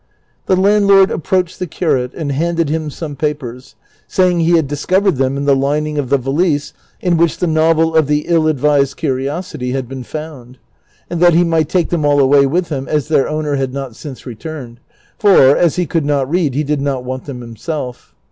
The landlord approached the curate and handed him some papers, saying he had discovered them in the lining of the valise in which the novel of " The Ill advised Curiosity " had been found, and that he might take tlTOm all away with him as their owner had not since returned ; for, as he could not read, he did not want them himself.